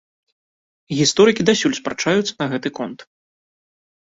Гісторыкі дасюль спрачаюцца на гэты конт.